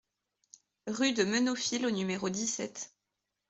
Rue de Meneaufil au numéro dix-sept